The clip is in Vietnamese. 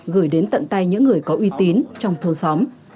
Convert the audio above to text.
gửi đến tận tay những người có uy tín trong thôn xóm